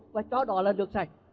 và chọt đó là nước sạch